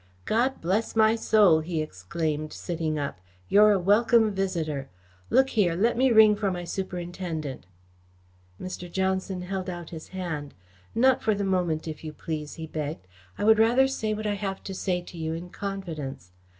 "God bless my soul!" he exclaimed, sitting up. "You're a welcome visitor. Look here, let me ring for my Superintendent." Mr. Johnson held out his hand. "Not for the moment, if you please," he begged. "I would rather say what I have to say to you in confidence.